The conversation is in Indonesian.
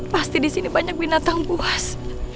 pasti di sini banyak binatang buas